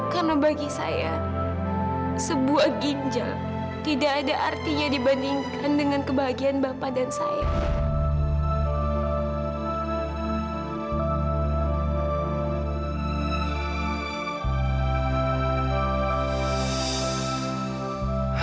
karena bagi saya sebuah ginjal tidak ada artinya dibandingkan dengan kebahagiaan bapak dan saya